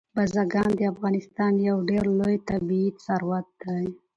بزګان د افغانستان یو ډېر لوی طبعي ثروت دی.